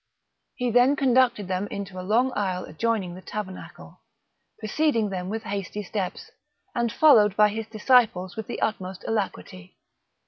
He then conducted them into a long aisle adjoining the tabernacle, preceding them with hasty steps, and followed by his disciples with the utmost alacrity.